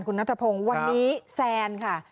คุณนัทพงศ์วันนี้แซนค่ะ